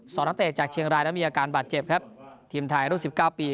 นักเตะจากเชียงรายนั้นมีอาการบาดเจ็บครับทีมไทยรุ่นสิบเก้าปี